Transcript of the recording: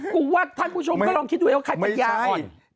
กูว่าท่านผู้ชมก็ลองคิดดูไว้ว่าใครสะกดวิญญาณก่อน